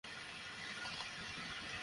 আমাদের মধ্যে সমস্যা ছিল।